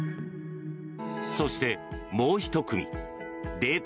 そしてもう１組データ